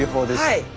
はい。